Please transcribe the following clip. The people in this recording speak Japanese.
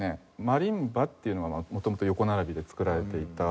マリンバっていうのは元々横並びで作られていた。